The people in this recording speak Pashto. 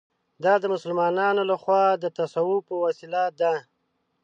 دا د مسلمانانو له خوا د تصوف په وسیله ده.